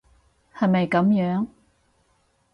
係咪噉樣？